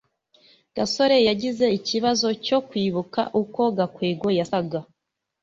gasore yagize ikibazo cyo kwibuka uko gakwego yasaga